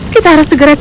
kita harus segera tiba